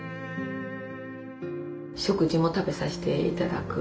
食事も食べさせて頂く。